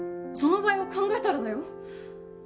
その場合を考えたらだよ